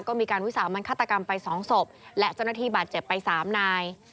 ก็มีการวิสามันฆาตกรรมไป๒ศพและเจ้าหน้าที่บาดเจ็บไป๓นาย